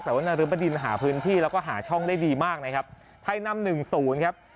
แต่ว่านาริบดินหาพื้นที่แล้วก็หาช่องได้ดีมากนะครับไทยนำหนึ่งศูนย์ครับ